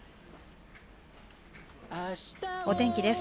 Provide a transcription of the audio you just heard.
お天気です。